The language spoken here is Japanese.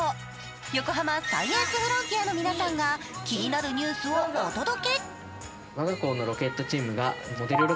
横浜サイエンスフロンティアの皆さんが気になるニュースをお届け。